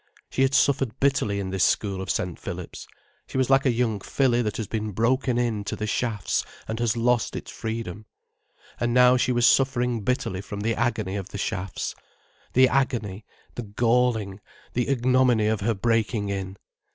She had suffered bitterly in this school of St. Philip's. She was like a young filly that has been broken in to the shafts, and has lost its freedom. And now she was suffering bitterly from the agony of the shafts. The agony, the galling, the ignominy of her breaking in.